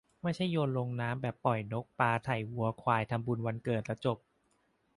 ไม่ใช่โยนลงน้ำแบบปล่อยนกปลาไถ่วัวควายทำบุญวันเกิดแล้วจบ